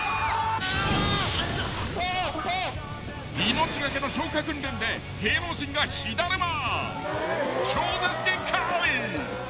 ［命懸けの消火訓練で芸能人が火だるま］